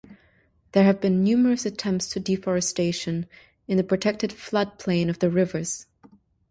There have been numerous attempts to deforestation in the protected floodplain of the rivers.